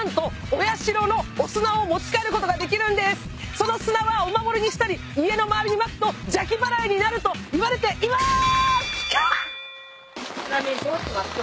その砂はお守りにしたり家の周りにまくと邪気払いになるといわれています。